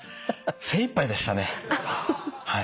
精いっぱいでしたねはい。